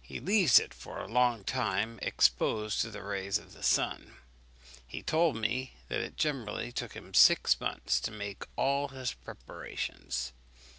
He leaves it for a long time exposed to the rays of the sun. He told me that it generally took him six months to make all his preparations.